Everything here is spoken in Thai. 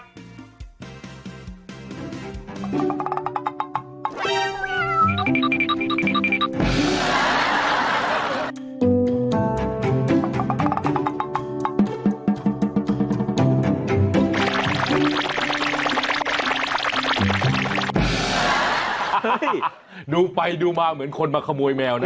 ดูไปดูมาเหมือนคนมาขโมยแมวนะ